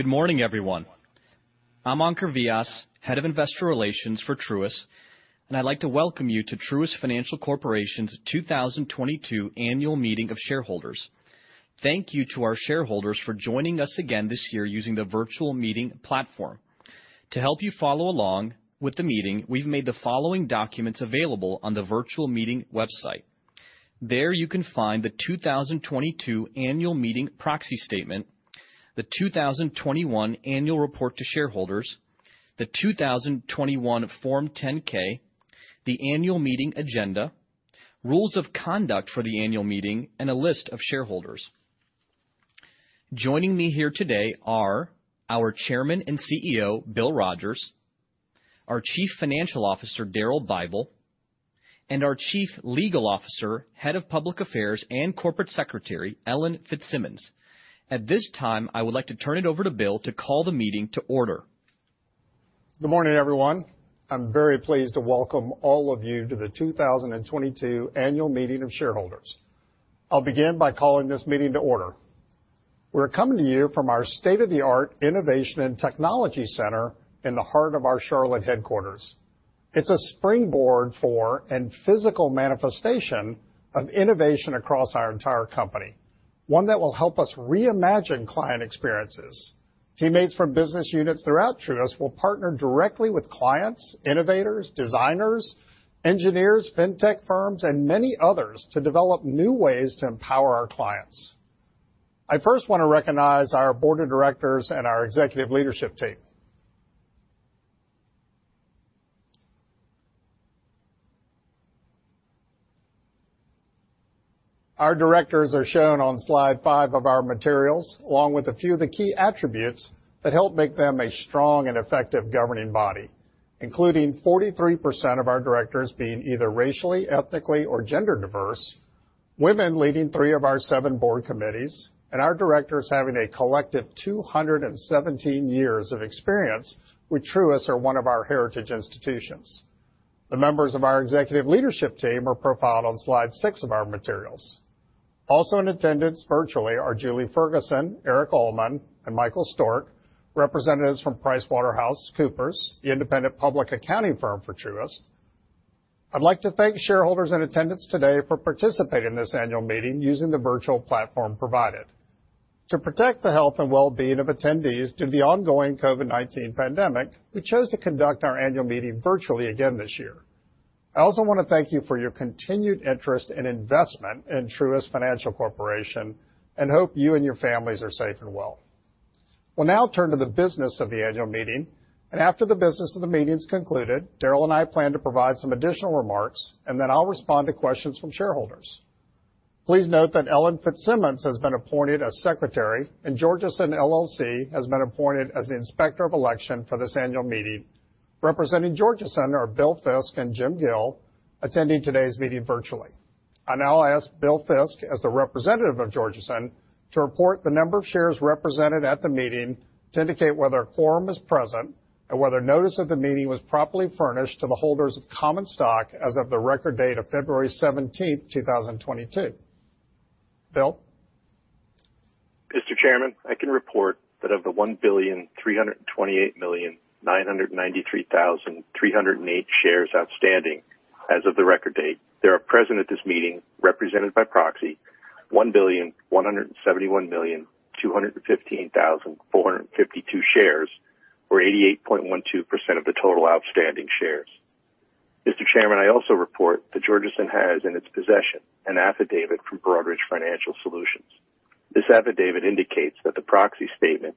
Good morning, everyone. I'm Ankur Vyas, Head of Investor Relations for Truist and I'd like to welcome you to Truist Financial Corporation's 2022 Annual Meeting of Shareholders. Thank you to our shareholders for joining us again this year using the virtual meeting platform. To help you follow along with the meeting, we've made the following documents available on the virtual meeting website. There you can find the 2022 Annual Meeting Proxy Statement, the 2021 Annual Report to Shareholders, the 2021 Form 10-K, the Annual Meeting Agenda, rules of conduct for the annual meeting and a list of shareholders. Joining me here today are our Chairman and CEO, Bill Rogers, our Chief Financial Officer, Daryl Bible and our Chief Legal Officer, Head of Public Affairs, and Corporate Secretary, Ellen Fitzsimmons. At this time, I would like to turn it over to Bill to call the meeting to order. Good morning, everyone. I'm very pleased to welcome all of you to the 2022 Annual Meeting of Shareholders. I'll begin by calling this meeting to order. We're coming to you from our state-of-the-art Innovation and Technology Center in the heart of our Charlotte headquarters. It's a springboard for and physical manifestation of innovation across our entire company, one that will help us reimagine client experiences. Teammates from business units throughout Truist will partner directly with clients, innovators, designers, engineers, fintech firms and many others to develop new ways to empower our clients. I first wanna recognize our board of directors and our executive leadership team. Our directors are shown on slide five of our materials, along with a few of the key attributes that help make them a strong and effective governing body, including 43% of our directors being either racially, ethnically or gender diverse, women leading 3 of our 7 board committees and our directors having a collective 217 years of experience with Truist or one of our heritage institutions. The members of our executive leadership team are profiled on slide six of our materials. Also in attendance virtually are Julie Ferguson, Eric Ullman, and Michael Stork, representatives from PricewaterhouseCoopers, the independent public accounting firm for Truist. I'd like to thank shareholders in attendance today for participating in this annual meeting using the virtual platform provided. To protect the health and well-being of attendees due to the ongoing COVID-19 pandemic, we chose to conduct our annual meeting virtually again this year. I also want to thank you for your continued interest and investment in Truist Financial Corporation and hope you and your families are safe and well. We'll now turn to the business of the annual meeting and after the business of the meeting's concluded, Daryl and I plan to provide some additional remarks and then I'll respond to questions from shareholders. Please note that Ellen Fitzsimmons has been appointed as secretary and Georgeson LLC has been appointed as the Inspector of Election for this annual meeting. Representing Georgeson are Bill Fiske and Jim Gill, attending today's meeting virtually. I now ask Bill Fiske, as the representative of Georgeson, to report the number of shares represented at the meeting to indicate whether a quorum is present and whether notice of the meeting was properly furnished to the holders of common stock as of the record date of February 17, 2022. Bill? Mr. Chairman, I can report that of the 1,328,993,308 shares outstanding as of the record date, there are present at this meeting, represented by proxy, 1,171,215,452 shares or 88.12% of the total outstanding shares. Mr. Chairman, I also report that Georgeson has in its possession an affidavit from Broadridge Financial Solutions. This affidavit indicates that the proxy statement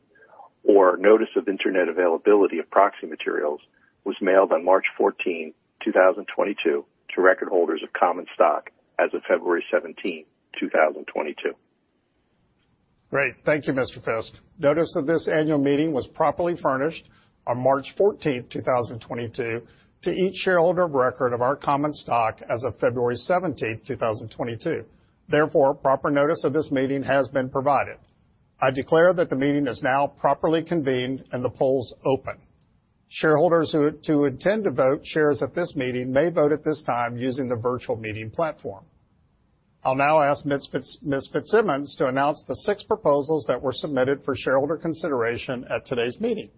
or notice of internet availability of proxy materials was mailed on March 14, 2022 to record holders of common stock as of February 17, 2022. Great. Thank you, Mr. Fiske. Notice of this annual meeting was properly furnished on March 14, 2022 to each shareholder of record of our common stock as of February 17, 2022. Therefore, proper notice of this meeting has been provided. I declare that the meeting is now properly convened and the polls open. Shareholders who intend to vote shares at this meeting may vote at this time using the virtual meeting platform. I'll now ask Ms. Fitzsimmons to announce the six proposals that were submitted for shareholder consideration at today's meeting.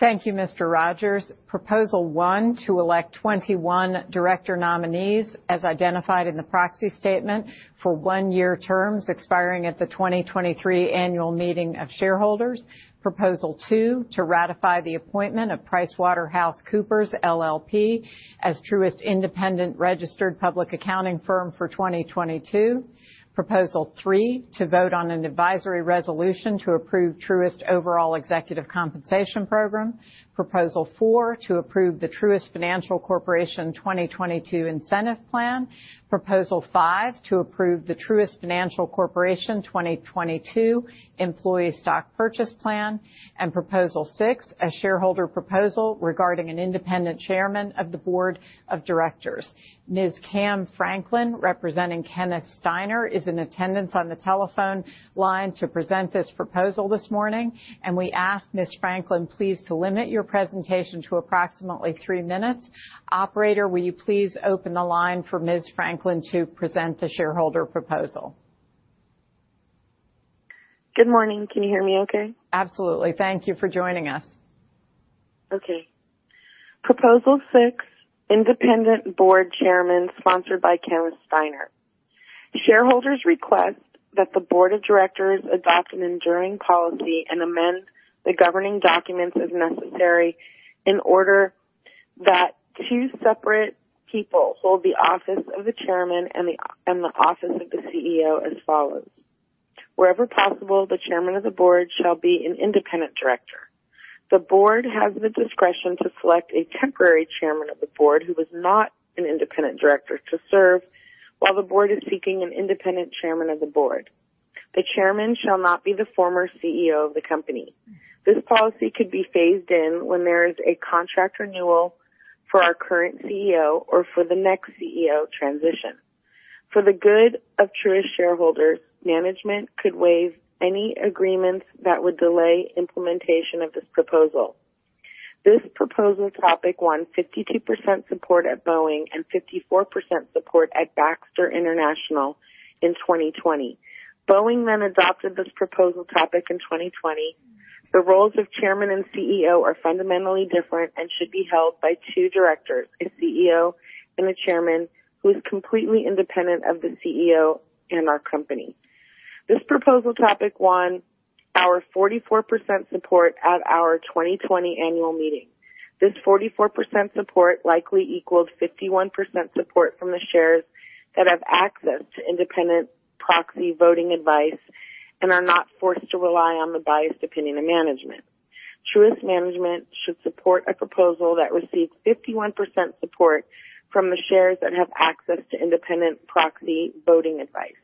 Thank you, Mr. Rogers. Proposal one, to elect 21 director nominees as identified in the proxy statement for one-year terms expiring at the 2023 Annual Meeting of Shareholders. Proposal two, to ratify the appointment of PricewaterhouseCoopers LLP as Truist's independent registered public accounting firm for 2022. Proposal three, to vote on an advisory resolution to approve Truist's overall executive compensation program. Proposal four, to approve the Truist Financial Corporation 2022 Incentive Plan. Proposal five, to approve the Truist Financial Corporation 2022 Employee Stock Purchase Plan. Proposal six, a shareholder proposal regarding an independent chairman of the board of directors. Ms. Cam Franklin, representing Kenneth Steiner, is in attendance on the telephone line to present this proposal this morning and we ask Ms. Franklin please to limit your presentation to approximately 3 minutes. Operator, will you please open the line for Ms. Franklin to present the shareholder proposal? Good morning. Can you hear me okay? Absolutely. Thank you for joining us. Okay. Proposal six, independent board chairman sponsored by Kenneth Steiner. Shareholders request that the board of directors adopt an enduring policy and amend the governing documents as necessary in order that two separate people hold the office of the chairman and the office of the CEO as follows. Wherever possible, the chairman of the board shall be an independent director. The board has the discretion to select a temporary chairman of the board who is not an independent director to serve while the board is seeking an independent chairman of the board. The chairman shall not be the former CEO of the company. This policy could be phased in when there is a contract renewal for our current CEO or for the next CEO transition. For the good of Truist shareholders, management could waive any agreements that would delay implementation of this proposal. This proposal topic won 52% support at Boeing and 54% support at Baxter International in 2020. Boeing then adopted this proposal topic in 2020. The roles of chairman and CEO are fundamentally different and should be held by two directors, a CEO and a chairman who is completely independent of the CEO in our company. This proposal topic won our 44% support at our 2020 annual meeting. This 44% support likely equals 51% support from the shares that have access to independent proxy voting advice and are not forced to rely on the biased opinion of management. Truist management should support a proposal that receives 51% support from the shares that have access to independent proxy voting advice.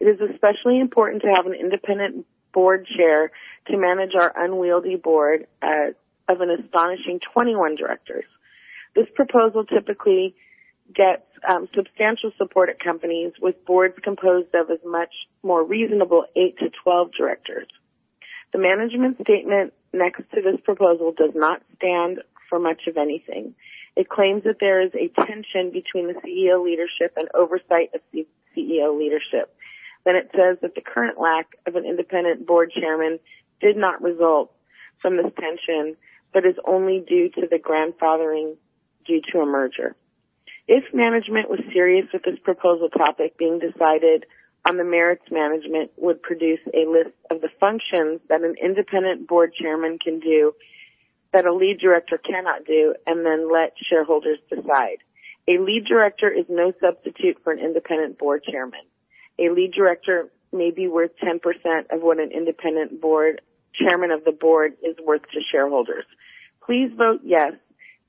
It is especially important to have an independent board chair to manage our unwieldy board of an astonishing 21 directors. This proposal typically gets substantial support at companies with boards composed of a much more reasonable 8-12 directors. The management statement next to this proposal does not stand for much of anything. It claims that there is a tension between the CEO leadership and oversight of CEO leadership. Then it says that the current lack of an independent board chairman did not result from this tension but is only due to the grandfathering due to a merger. If management was serious with this proposal topic being decided on the merits, management would produce a list of the functions that an independent board chairman can do that a lead director cannot do and then let shareholders decide. A lead director is no substitute for an independent board chairman. A lead director may be worth 10% of what an independent board... Chairman of the board is worth it to shareholders. Please vote yes.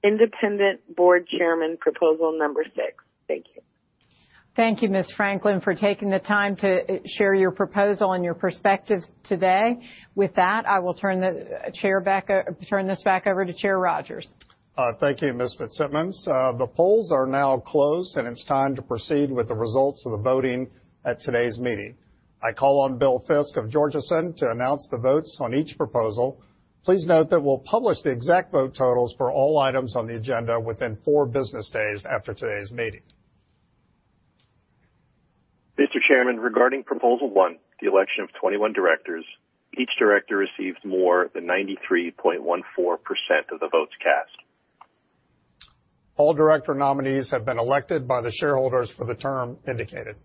Independent board chairman, proposal number 6. Thank you. Thank you, Ms. Franklin, for taking the time to share your proposal and your perspectives today. With that, I will turn this back over to Chair Rogers. Thank you, Ms. Fitzsimmons. The polls are now closed and it's time to proceed with the results of the voting at today's meeting. I call on Bill Fiske of Georgeson to announce the votes on each proposal. Please note that we'll publish the exact vote totals for all items on the agenda within four business days after today's meeting. Mr. Chairman, regarding proposal one, the election of 21 directors, each director receives more than 93.14% of the votes cast. All director nominees have been elected by the shareholders for the term indicated.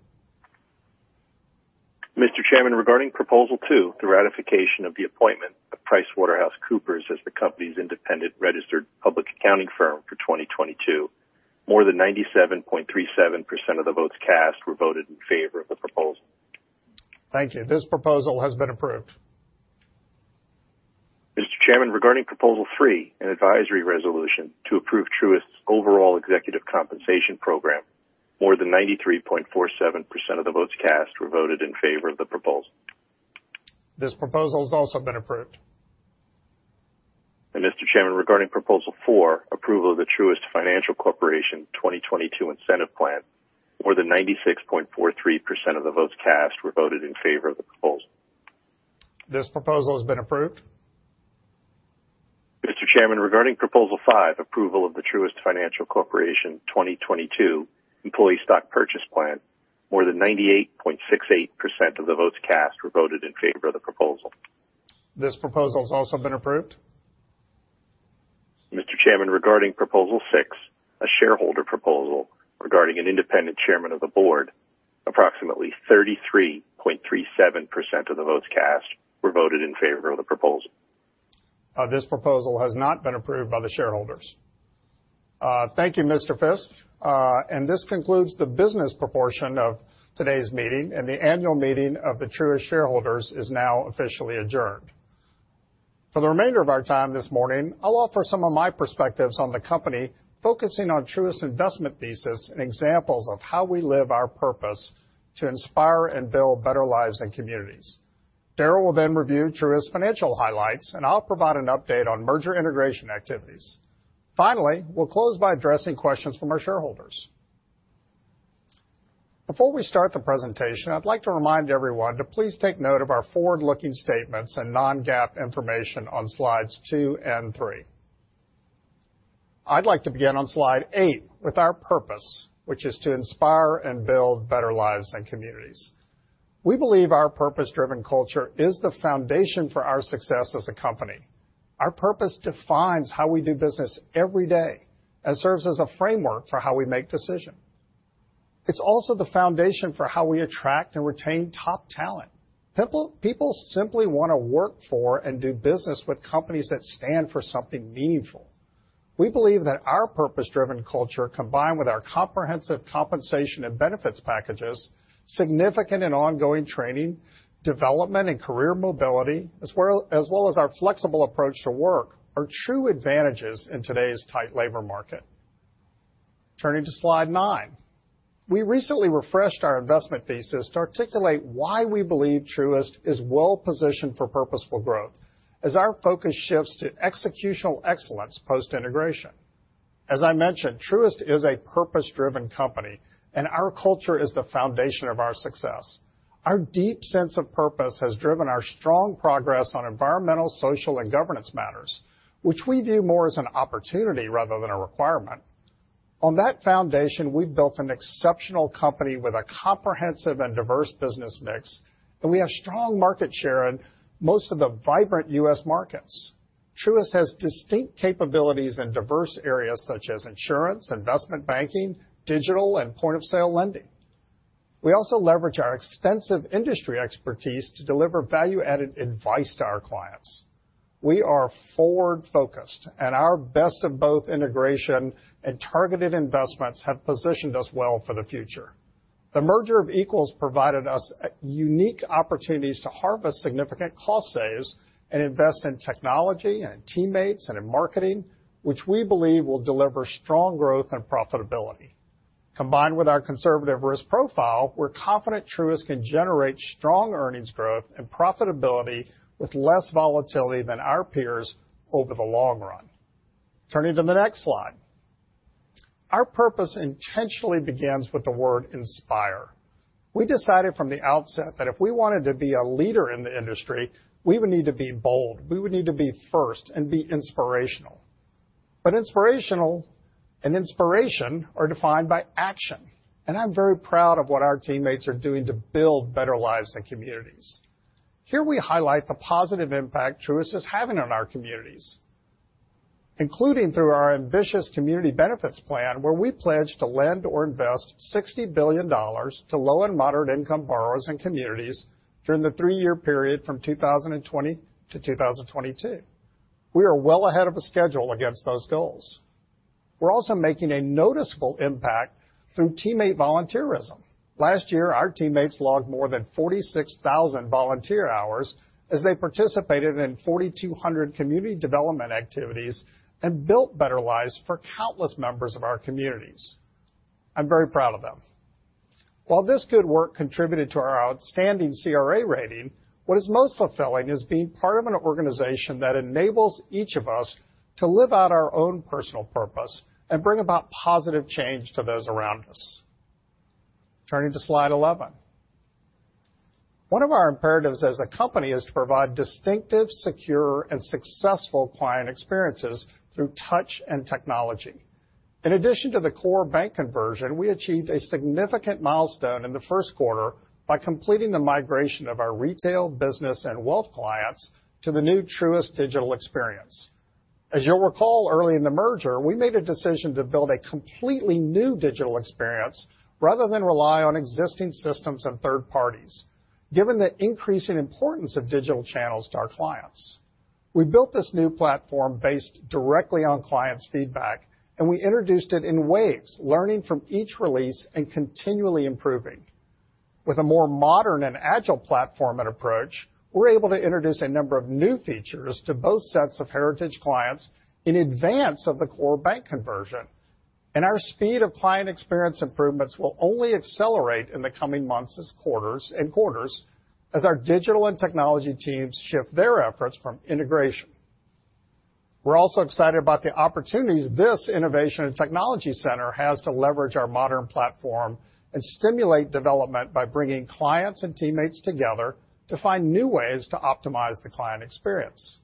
Mr. Chairman, regarding proposal two, the ratification of the appointment of PricewaterhouseCoopers as the company's independent registered public accounting firm for 2022, more than 97.37% of the votes cast were voted in favor of the proposal. Thank you. This proposal has been approved. Mr. Chairman, regarding proposal three, an advisory resolution to approve Truist's overall executive compensation program, more than 93.47% of the votes cast were voted in favor of the proposal. This proposal has also been approved. Mr. Chairman, regarding proposal four, approval of the Truist Financial Corporation 2022 Incentive Plan, more than 96.43% of the votes cast were voted in favor of the proposal. This proposal has been approved. Mr. Chairman, regarding proposal five, approval of the Truist Financial Corporation 2022 Employee Stock Purchase Plan, more than 98.68% of the votes cast were voted in favor of the proposal. This proposal has also been approved. Mr. Chairman, regarding proposal six, a shareholder proposal regarding an independent chairman of the board, approximately 33.37% of the votes cast were voted in favor of the proposal. This proposal has not been approved by the shareholders. Thank you, Mr. Fisk. This concludes the business portion of today's meeting and the annual meeting of the Truist shareholders is now officially adjourned. For the remainder of our time this morning, I'll offer some of my perspectives on the company, focusing on Truist's investment thesis and examples of how we live our purpose to inspire and build better lives and communities. Daryl will then review Truist's financial highlights, and I'll provide an update on merger integration activities. Finally, we'll close by addressing questions from our shareholders. Before we start the presentation, I'd like to remind everyone to please take note of our forward-looking statements and non-GAAP information on slides two and three. I'd like to begin on slide eight with our purpose, which is to inspire and build better lives and communities. We believe our purpose-driven culture is the foundation for our success as a company. Our purpose defines how we do business every day and serves as a framework for how we make decision. It's also the foundation for how we attract and retain top talent. People simply wanna work for and do business with companies that stand for something meaningful. We believe that our purpose-driven culture, combined with our comprehensive compensation and benefits packages, significant and ongoing training, development and career mobility, as well as our flexible approach to work are true advantages in today's tight labor market. Turning to slide nine. We recently refreshed our investment thesis to articulate why we believe Truist is well-positioned for purposeful growth as our focus shifts to executional excellence post-integration. As I mentioned, Truist is a purpose-driven company and our culture is the foundation of our success. Our deep sense of purpose has driven our strong progress on environmental, social, and governance matters which we view more as an opportunity rather than a requirement. On that foundation, we've built an exceptional company with a comprehensive and diverse business mix and we have strong market share in most of the vibrant U.S. markets. Truist has distinct capabilities in diverse areas such as insurance, investment banking, digital, and point-of-sale lending. We also leverage our extensive industry expertise to deliver value-added advice to our clients. We are forward-focused and our best of both integration and targeted investments have positioned us well for the future. The merger of equals provided us a unique opportunity to harvest significant cost savings and invest in technology and in teammates and in marketing which we believe will deliver strong growth and profitability. Combined with our conservative risk profile, we're confident Truist can generate strong earnings growth and profitability with less volatility than our peers over the long run. Turning to the next slide. Our purpose intentionally begins with the word inspire. We decided from the outset that if we wanted to be a leader in the industry, we would need to be bold, we would need to be first and be inspirational. Inspirational and inspiration are defined by action and I'm very proud of what our teammates are doing to build better lives and communities. Here we highlight the positive impact Truist is having on our communities, including through our ambitious community benefits plan, where we pledge to lend or invest $60 billion to low and moderate-income borrowers and communities during the three-year period from 2020 to 2022. We are well ahead of the schedule against those goals. We're also making a noticeable impact through teammate volunteerism. Last year, our teammates logged more than 46,000 volunteer hours as they participated in 4,200 community development activities and built better lives for countless members of our communities. I'm very proud of them. While this good work contributed to our outstanding CRA rating, what is most fulfilling is being part of an organization that enables each of us to live out our own personal purpose and bring about positive change to those around us. Turning to slide 11. One of our imperatives as a company is to provide distinctive, secure and successful client experiences through touch and technology. In addition to the core bank conversion, we achieved a significant milestone in the first quarter by completing the migration of our retail business and wealth clients to the new Truist digital experience. As you'll recall, early in the merger, we made a decision to build a completely new digital experience rather than rely on existing systems and third parties given the increasing importance of digital channels to our clients. We built this new platform based directly on clients' feedback and we introduced it in waves, learning from each release and continually improving. With a more modern and agile platform and approach, we're able to introduce a number of new features to both sets of heritage clients in advance of the core bank conversion. Our speed of client experience improvements will only accelerate in the coming months and quarters as our digital and technology teams shift their efforts from integration. We're also excited about the opportunities this innovation and technology center has to leverage our modern platform and stimulate development by bringing clients and teammates together to find new ways to optimize the client experience.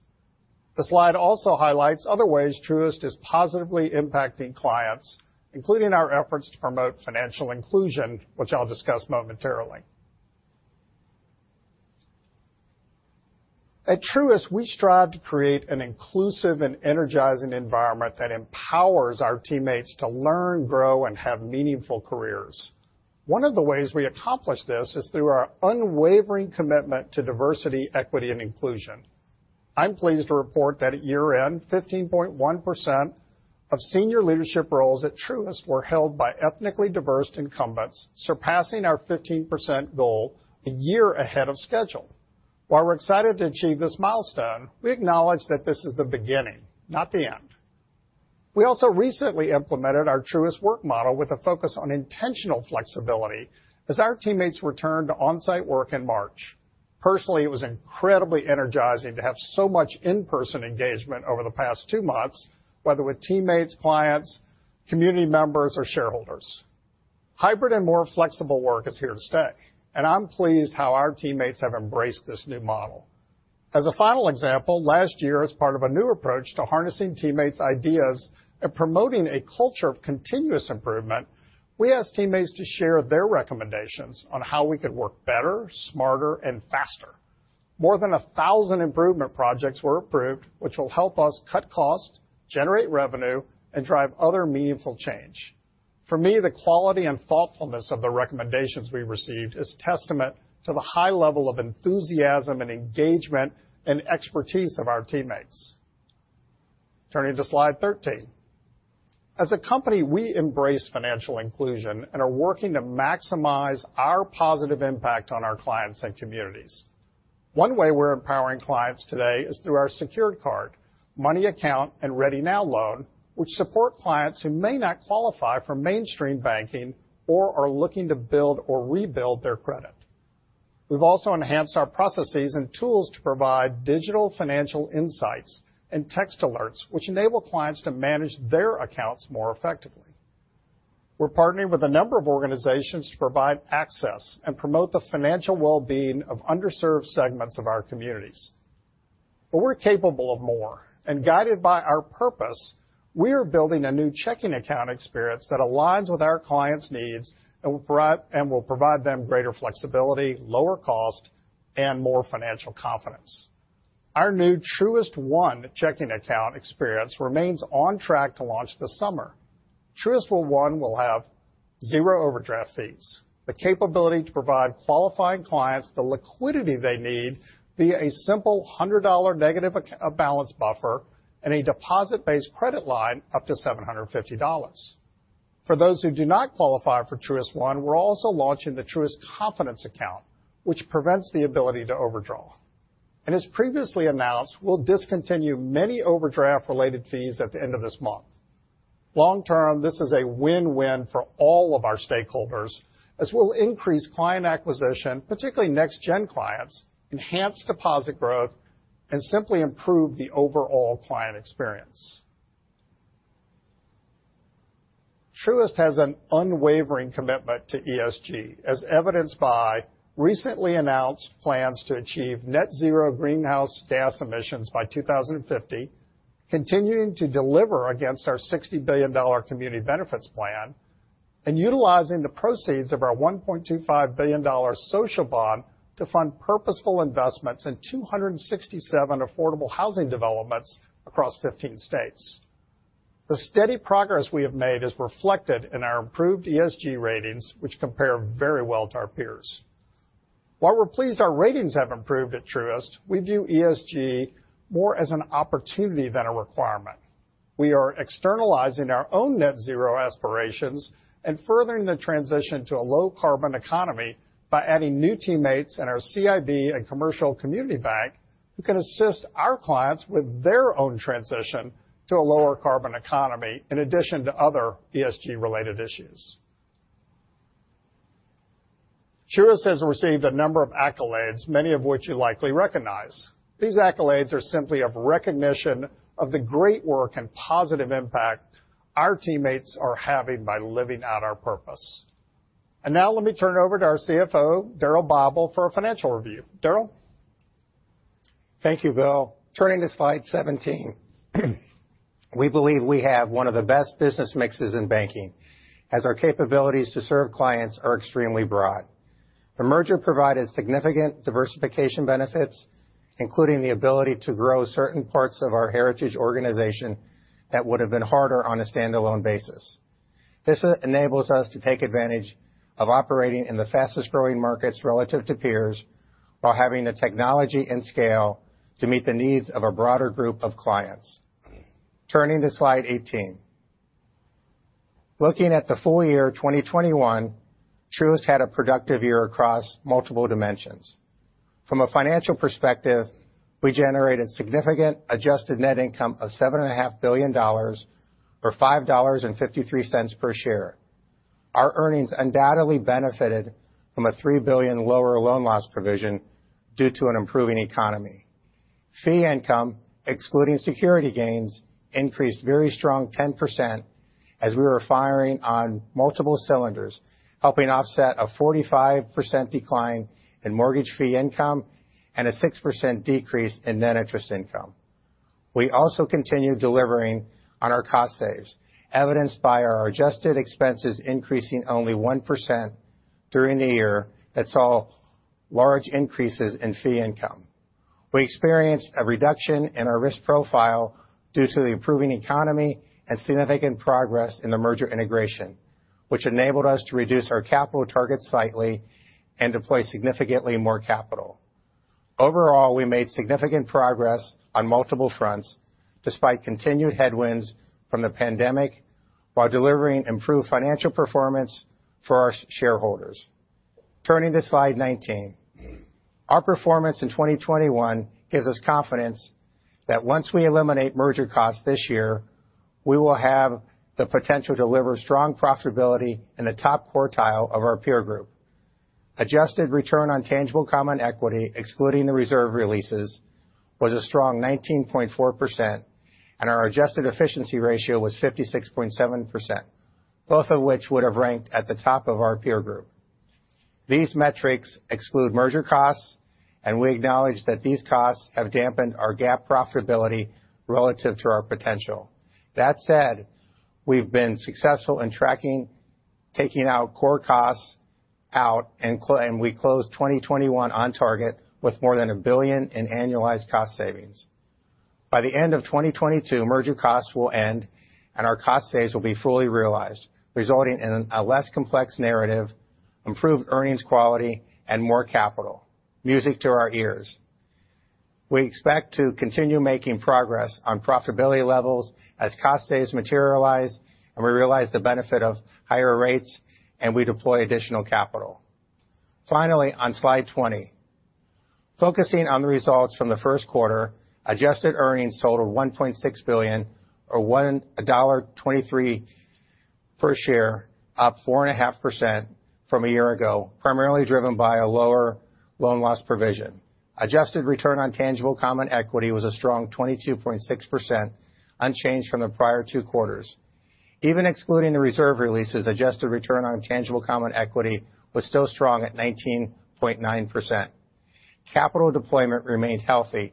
The slide also highlights other ways Truist is positively impacting clients, including our efforts to promote financial inclusion, which I'll discuss momentarily. At Truist, we strive to create an inclusive and energizing environment that empowers our teammates to learn, grow, and have meaningful careers. One of the ways we accomplish this is through our unwavering commitment to diversity, equity, and inclusion. I'm pleased to report that at year-end, 15.1% of senior leadership roles at Truist were held by ethnically diverse incumbents, surpassing our 15% goal a year ahead of schedule. While we're excited to achieve this milestone, we acknowledge that this is the beginning, not the end. We also recently implemented our Truist work model with a focus on intentional flexibility as our teammates returned to on-site work in March. Personally, it was incredibly energizing to have so much in-person engagement over the past two months, whether with teammates, clients, community members or shareholders. Hybrid and more flexible work is here to stay and I'm pleased how our teammates have embraced this new model. As a final example, last year as part of a new approach to harnessing teammates' ideas and promoting a culture of continuous improvement, we asked teammates to share their recommendations on how we could work better, smarter, and faster. More than 1,000 improvement projects were approved, which will help us cut costs, generate revenue, and drive other meaningful change. For me, the quality and thoughtfulness of the recommendations we received is testament to the high level of enthusiasm and engagement and expertise of our teammates. Turning to slide 13. As a company, we embrace financial inclusion and are working to maximize our positive impact on our clients and communities. One way we're empowering clients today is through our secured card, money account and Ready Now loan, which support clients who may not qualify for mainstream banking or are looking to build or rebuild their credit. We've also enhanced our processes and tools to provide digital financial insights and text alerts, which enable clients to manage their accounts more effectively. We're partnering with a number of organizations to provide access and promote the financial well-being of underserved segments of our communities. We're capable of more and guided by our purpose, we are building a new checking account experience that aligns with our clients' needs and will provide them greater flexibility, lower cost and more financial confidence. Our new Truist One checking account experience remains on track to launch this summer. Truist One will have zero overdraft fees, the capability to provide qualifying clients the liquidity they need via a simple $100 negative balance buffer and a deposit-based credit line up to $750. For those who do not qualify for Truist One, we're also launching the Truist Confidence Account, which prevents the ability to overdraw. As previously announced, we'll discontinue many overdraft-related fees at the end of this month. Long term, this is a win-win for all of our stakeholders, as we'll increase client acquisition, particularly next gen clients, enhance deposit growth, and simply improve the overall client experience. Truist has an unwavering commitment to ESG, as evidenced by recently announced plans to achieve net zero greenhouse gas emissions by 2050, continuing to deliver against our $60 billion community benefits plan, and utilizing the proceeds of our $1.25 billion social bond to fund purposeful investments in 267 affordable housing developments across 15 states. The steady progress we have made is reflected in our improved ESG ratings, which compare very well to our peers. While we're pleased our ratings have improved at Truist, we view ESG more as an opportunity than a requirement. We are externalizing our own net zero aspirations and furthering the transition to a low carbon economy by adding new teammates in our CIB and commercial community bank who can assist our clients with their own transition to a lower carbon economy, in addition to other ESG-related issues. Truist has received a number of accolades, many of which you likely recognize. These accolades are simply of recognition of the great work and positive impact our teammates are having by living out our purpose. Now let me turn it over to our CFO, Daryl Bible, for a financial review. Daryl? Thank you, Bill. Turning to slide 17. We believe we have one of the best business mixes in banking as our capabilities to serve clients are extremely broad. The merger provided significant diversification benefits, including the ability to grow certain parts of our heritage organization that would've been harder on a standalone basis. This enables us to take advantage of operating in the fastest-growing markets relative to peers, while having the technology and scale to meet the needs of a broader group of clients. Turning to slide 18. Looking at the full year of 2021, Truist had a productive year across multiple dimensions. From a financial perspective, we generated significant adjusted net income of $7.5 billion or $5.53 per share. Our earnings undoubtedly benefited from a $3 billion lower loan loss provision due to an improving economy. Fee income, excluding security gains, increased a very strong 10% as we were firing on multiple cylinders, helping offset a 45% decline in mortgage fee income and a 6% decrease in net interest income. We also continued delivering on our cost savings, evidenced by our adjusted expenses increasing only 1% during the year that saw large increases in fee income. We experienced a reduction in our risk profile due to the improving economy and significant progress in the merger integration, which enabled us to reduce our capital target slightly and deploy significantly more capital. Overall, we made significant progress on multiple fronts despite continued headwinds from the pandemic while delivering improved financial performance for our shareholders. Turning to slide 19. Our performance in 2021 gives us confidence that once we eliminate merger costs this year, we will have the potential to deliver strong profitability in the top quartile of our peer group. Adjusted return on tangible common equity, excluding the reserve releases, was a strong 19.4% and our adjusted efficiency ratio was 56.7%, both of which would have ranked at the top of our peer group. These metrics exclude merger costs and we acknowledge that these costs have dampened our GAAP profitability relative to our potential. That said, we've been successful in taking out core costs and we closed 2021 on target with more than $1 billion in annualized cost savings. By the end of 2022, merger costs will end, and our cost saves will be fully realized, resulting in a less complex narrative, improved earnings quality and more capital. Music to our ears. We expect to continue making progress on profitability levels as cost saves materialize and we realize the benefit of higher rates and we deploy additional capital. Finally, on Slide 20, focusing on the results from the first quarter, adjusted earnings totaled $1.6 billion or $1.23 per share, up 4.5% from a year ago, primarily driven by a lower loan loss provision. Adjusted return on tangible common equity was a strong 22.6%, unchanged from the prior two quarters. Even excluding the reserve releases, adjusted return on tangible common equity was still strong at 19.9%. Capital deployment remained healthy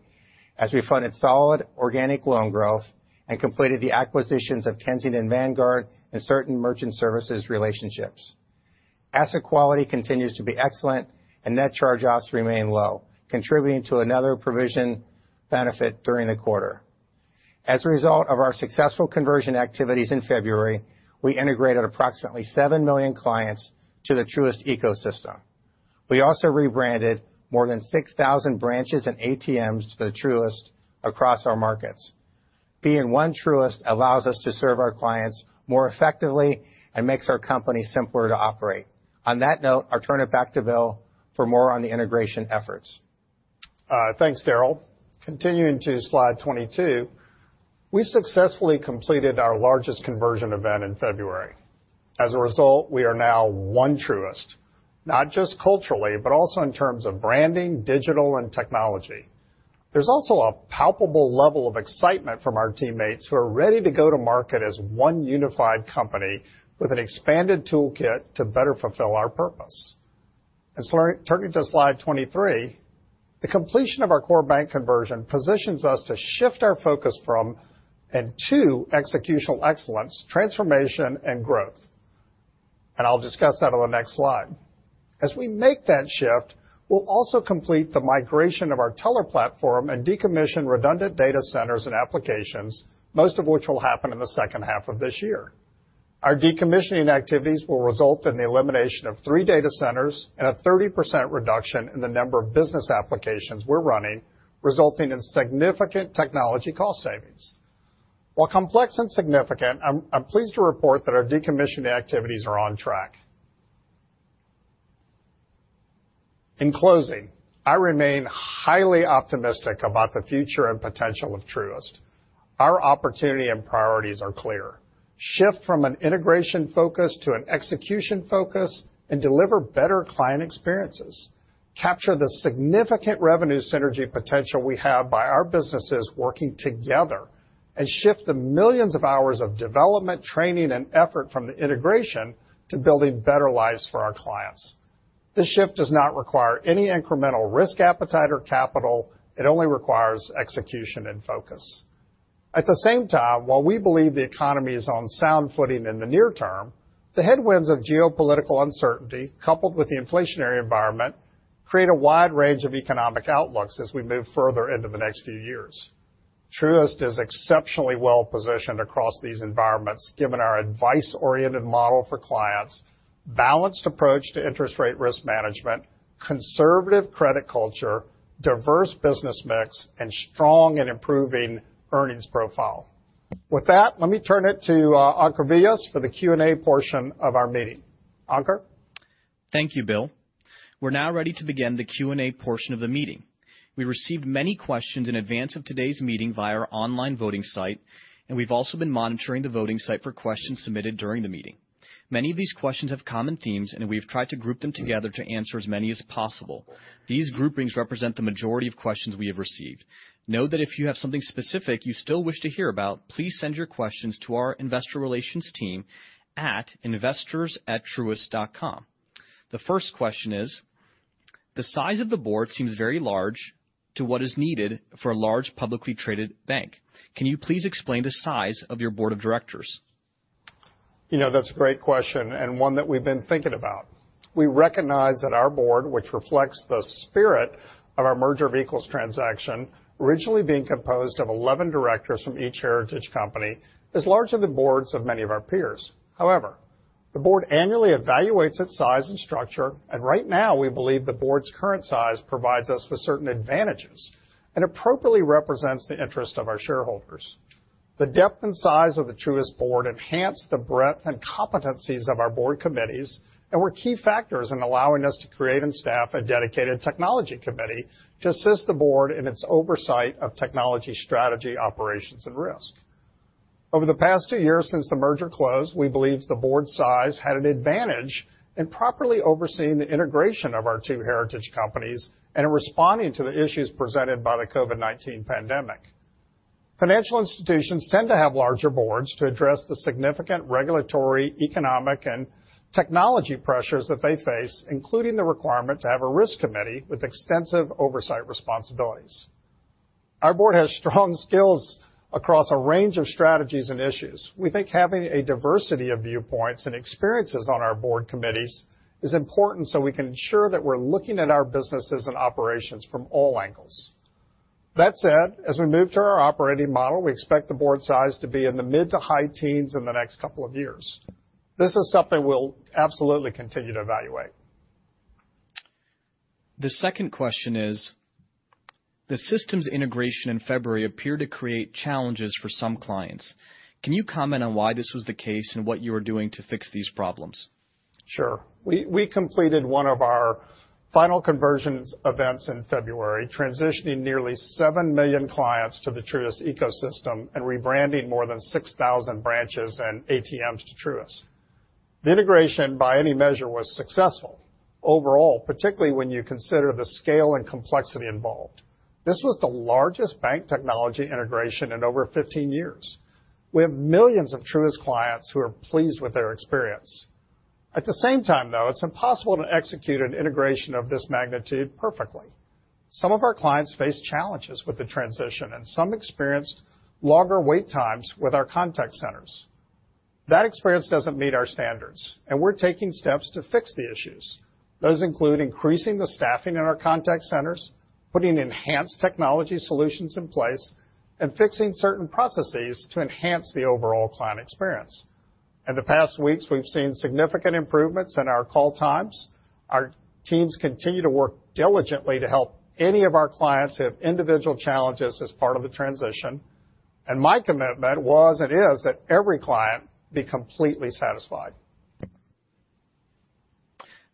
as we funded solid organic loan growth and completed the acquisitions of Kensington Vanguard and certain merchant services relationships. Asset quality continues to be excellent, and net charge-offs remain low, contributing to another provision benefit during the quarter. As a result of our successful conversion activities in February, we integrated approximately seven million clients to the Truist ecosystem. We also rebranded more than 6,000 branches and ATMs to the Truist across our markets. Being one Truist allows us to serve our clients more effectively and makes our company simpler to operate. On that note, I'll turn it back to Bill for more on the integration efforts. Thanks, Daryl. Continuing to slide 22, we successfully completed our largest conversion event in February. As a result, we are now one Truist, not just culturally but also in terms of branding, digital, and technology. There's also a palpable level of excitement from our teammates who are ready to go to market as one unified company with an expanded toolkit to better fulfill our purpose. Turning to slide 23, the completion of our core bank conversion positions us to shift our focus from integration to executional excellence, transformation, and growth. I'll discuss that on the next slide. As we make that shift, we'll also complete the migration of our teller platform and decommission redundant data centers and applications, most of which will happen in the second half of this year. Our decommissioning activities will result in the elimination of three data centers and a 30% reduction in the number of business applications we're running, resulting in significant technology cost savings. While complex and significant, I'm pleased to report that our decommissioning activities are on track. In closing, I remain highly optimistic about the future and potential of Truist. Our opportunity and priorities are clear. Shift from an integration focus to an execution focus and deliver better client experiences. Capture the significant revenue synergy potential we have by our businesses working together. Shift the millions of hours of development, training, and effort from the integration to building better lives for our clients. This shift does not require any incremental risk appetite or capital. It only requires execution and focus. At the same time, while we believe the economy is on sound footing in the near term, the headwinds of geopolitical uncertainty, coupled with the inflationary environment, create a wide range of economic outlooks as we move further into the next few years. Truist is exceptionally well-positioned across these environments given our advice-oriented model for clients, balanced approach to interest rate risk management, conservative credit culture, diverse business mix and strong and improving earnings profile. With that, let me turn it to Ankur Vyas for the Q&A portion of our meeting. Ankur? Thank you, Bill. We're now ready to begin the Q&A portion of the meeting. We received many questions in advance of today's meeting via our online voting site and we've also been monitoring the voting site for questions submitted during the meeting. Many of these questions have common themes and we've tried to group them together to answer as many as possible. These groupings represent the majority of questions we have received. Know that if you have something specific you still wish to hear about, please send your questions to our investor relations team at investors@truist.com. The first question is, the size of the board seems very large to what is needed for a large publicly traded bank. Can you please explain the size of your board of directors? You know, that's a great question and one that we've been thinking about. We recognize that our board, which reflects the spirit of our merger of equals transaction, originally being composed of 11 directors from each heritage company, is larger than boards of many of our peers. However, the board annually evaluates its size and structure and right now we believe the board's current size provides us with certain advantages and appropriately represents the interest of our shareholders. The depth and size of the Truist board enhance the breadth and competencies of our board committees. Were key factors in allowing us to create and staff a dedicated technology committee to assist the board in its oversight of technology, strategy, operations, and risk. Over the past two years since the merger closed, we believe the board size had an advantage in properly overseeing the integration of our two heritage companies and in responding to the issues presented by the COVID-19 pandemic. Financial institutions tend to have larger boards to address the significant regulatory, economic and technology pressures that they face, including the requirement to have a risk committee with extensive oversight responsibilities. Our board has strong skills across a range of strategies and issues. We think having a diversity of viewpoints and experiences on our board committees is important so we can ensure that we're looking at our businesses and operations from all angles. That said, as we move through our operating model, we expect the board size to be in the mid to high teens in the next couple of years. This is something we'll absolutely continue to evaluate. The second question is: The systems integration in February appeared to create challenges for some clients. Can you comment on why this was the case, and what you are doing to fix these problems? Sure. We completed one of our final conversions events in February, transitioning nearly 7 million clients to the Truist ecosystem and rebranding more than 6,000 branches and ATMs to Truist. The integration by any measure was successful overall, particularly when you consider the scale and complexity involved. This was the largest bank technology integration in over 15 years. We have millions of Truist clients who are pleased with their experience. At the same time, though, it's impossible to execute an integration of this magnitude perfectly. Some of our clients faced challenges with the transition and some experienced longer wait times with our contact centers. That experience doesn't meet our standards and we're taking steps to fix the issues. Those include increasing the staffing in our contact centers, putting enhanced technology solutions in place and fixing certain processes to enhance the overall client experience. In the past weeks, we've seen significant improvements in our call times. Our teams continue to work diligently to help any of our clients who have individual challenges as part of the transition, and my commitment was and is that every client be completely satisfied.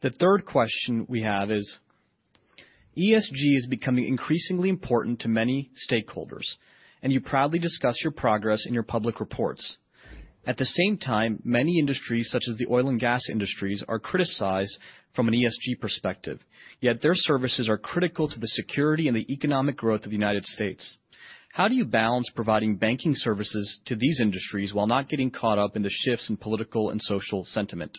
The third question we have is: ESG is becoming increasingly important to many stakeholders and you proudly discuss your progress in your public reports. At the same time, many industries, such as the oil and gas industries, are criticized from an ESG perspective, yet their services are critical to the security and the economic growth of the United States. How do you balance providing banking services to these industries while not getting caught up in the shifts in political and social sentiment?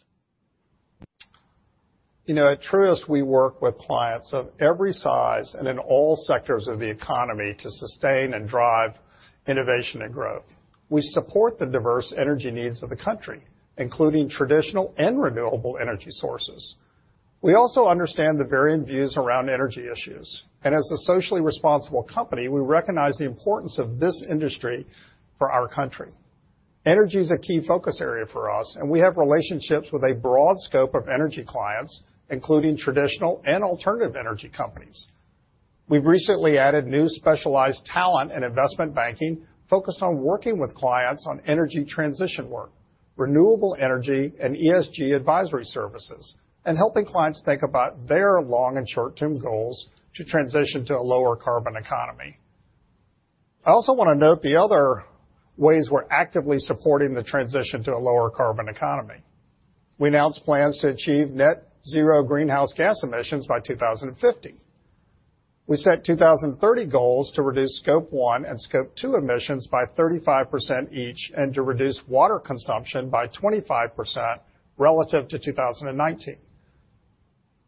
You know, at Truist we work with clients of every size and in all sectors of the economy to sustain and drive innovation and growth. We support the diverse energy needs of the country, including traditional and renewable energy sources. We also understand the varying views around energy issues and as a socially responsible company, we recognize the importance of this industry for our country. Energy is a key focus area for us and we have relationships with a broad scope of energy clients, including traditional and alternative energy companies. We've recently added new specialized talent in investment banking focused on working with clients on energy transition work, renewable energy and ESG advisory services and helping clients think about their long and short-term goals to transition to a lower carbon economy. I also want to note the other ways we're actively supporting the transition to a lower carbon economy. We announced plans to achieve net zero greenhouse gas emissions by 2050. We set 2030 goals to reduce Scope 1 and Scope 2 emissions by 35% each and to reduce water consumption by 25% relative to 2019.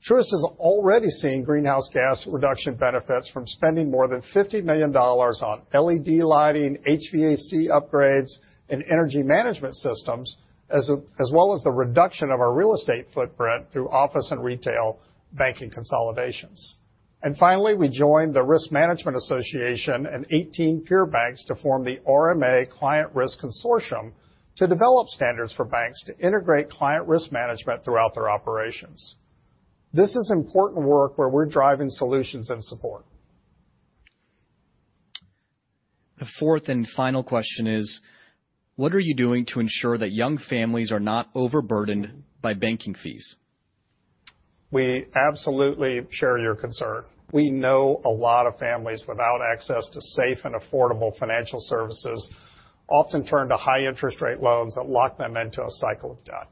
Truist is already seeing greenhouse gas reduction benefits from spending more than $50 million on LED lighting, HVAC upgrades, and energy management systems, as well as the reduction of our real estate footprint through office and retail banking consolidations. Finally, we joined the Risk Management Association and 18 peer banks to form the RMA Climate Risk Consortium to develop standards for banks to integrate client risk management throughout their operations. This is important work where we're driving solutions and support. The fourth and final question is: What are you doing to ensure that young families are not overburdened by banking fees? We absolutely share your concern. We know a lot of families without access to safe and affordable financial services often turn to high interest rate loans that lock them into a cycle of debt.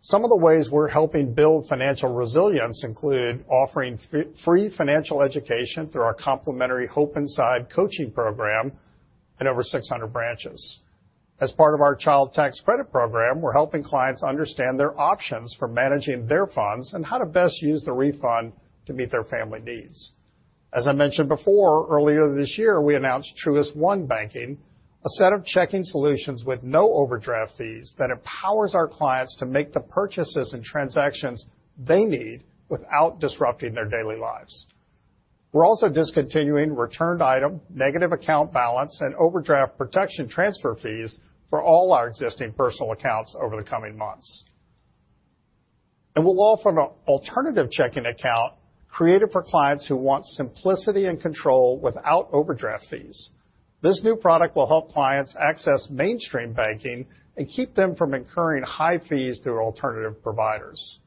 Some of the ways we're helping build financial resilience include offering free financial education through our complimentary HOPE Inside coaching program at over 600 branches. As part of our child tax credit program, we're helping clients understand their options for managing their funds and how to best use the refund to meet their family needs. As I mentioned before, earlier this year we announced Truist One Banking, a set of checking solutions with no overdraft fees that empowers our clients to make the purchases and transactions they need without disrupting their daily lives. We're also discontinuing returned item, negative account balance and overdraft protection transfer fees for all our existing personal accounts over the coming months. We'll offer an alternative checking account created for clients who want simplicity and control without overdraft fees. This new product will help clients access mainstream banking and keep them from incurring high fees through alternative providers.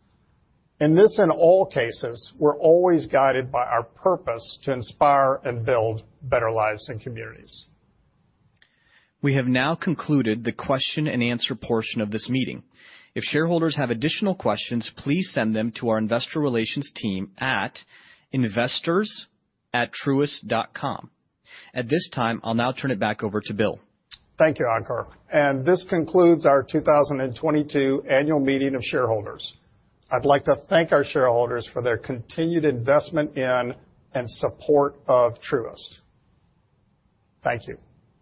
In this and all cases, we're always guided by our purpose to inspire and build better lives and communities. We have now concluded the question and answer portion of this meeting. If shareholders have additional questions, please send them to our investor relations team at investors@truist.com. At this time, I'll now turn it back over to Bill. Thank you, Ankur. This concludes our 2022 annual meeting of shareholders. I'd like to thank our shareholders for their continued investment in and support of Truist. Thank you.